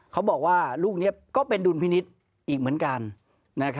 เขาบอกว่าลูกนี้ก็เป็นดุลพินิษฐ์อีกเหมือนกัน